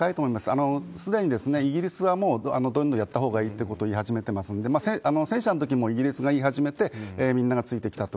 もうすでにイギリスはもう、どんどんやったほうがいいということを言い始めてますので、戦車のときもイギリスが言い始めて、みんながついてきたと。